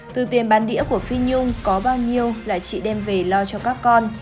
từ tiền bán đĩa của phi nhung có bao nhiêu là chị đem về lo cho các con